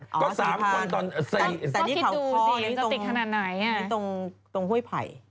อ๋อ๔๐๐๐คนตอนใส่ต้องคิดดูสิตรงห้วยไผ่แต่นี่เขาคอติดขนาดไหน